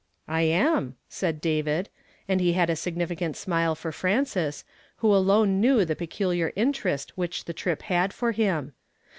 " I am," said David ; and he had a significant smile for Frances, who alone knew the peculiar interest which the trip liad for him.